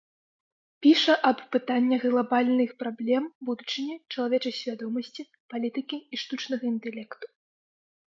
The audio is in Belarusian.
Піша аб пытаннях глабальных праблем будучыні, чалавечай свядомасці, палітыкі і штучнага інтэлекту.